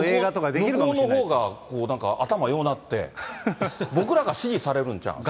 向こうのほうが頭ようなって、僕らが指示されるんちゃう？